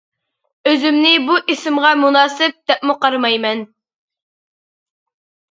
ئۆزۈمنى بۇ ئىسىمغا مۇناسىپ، دەپمۇ قارىمايمەن.